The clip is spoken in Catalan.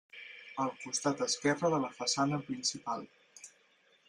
Al costat esquerre de la façana principal.